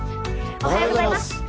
おはようございます。